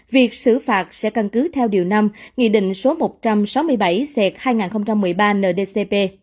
việc xử phạt sẽ căn cứ theo điều năm nghị định số một trăm sáu mươi bảy ct hai nghìn một mươi ba ndcp